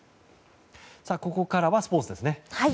ここからはスポーツですね。